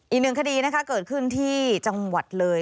อีกหนึ่งคดีนะคะเกิดขึ้นที่จังหวัดเลย